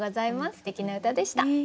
すてきな歌でした。